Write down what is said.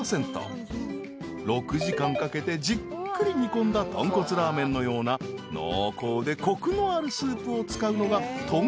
［６時間かけてじっくり煮込んだ豚骨ラーメンのような濃厚でコクのあるスープを使うのがとんこくラーメン］